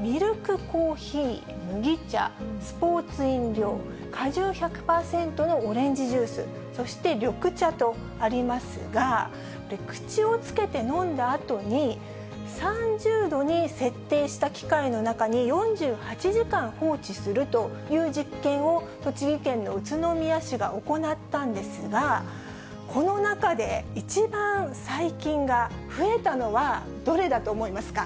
ミルクコーヒー、麦茶、スポーツ飲料、果汁１００％のオレンジジュース、そして緑茶とありますが、口をつけて飲んだあとに、３０度に設定した機械の中に４８時間放置するという実験を栃木県の宇都宮市が行ったんですが、この中で一番、細菌が増えたのはどれだと思いますか。